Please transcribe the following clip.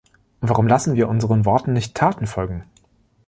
Warum lassen wir unseren Worten nicht Taten folgen?